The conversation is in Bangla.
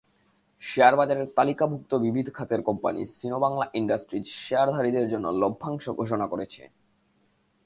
শেয়ারবাজারে তালিকাভুক্ত বিবিধ খাতের কোম্পানি সিনোবাংলা ইন্ডাস্ট্রিজ শেয়ারধারীদের জন্য লভ্যাংশ ঘোষণা করেছে।